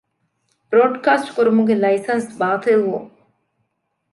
ބްރޯޑްކާސްޓްކުރުމުގެ ލައިސަންސް ބާޠިލްވުން